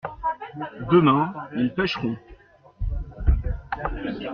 Demain ils pêcheront.